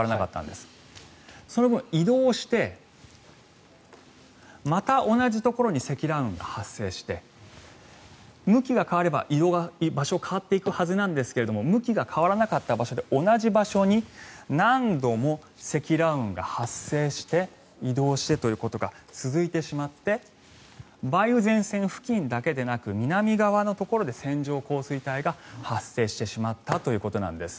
その分、移動してまた同じところに積乱雲が発生して向きが変われば、場所が変わっていくはずなんですが向きが変わらなかった場所で同じ場所に何度も積乱雲が発生して移動してということが続いてしまって梅雨前線付近だけでなく南側のところで線状降水帯が発生してしまったということなんです。